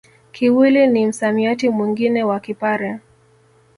Kiwili ni msamiati mwingine wa Kipare